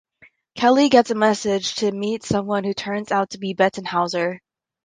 Kelly gets a message to meet someone who turns out to be Bettenhauser.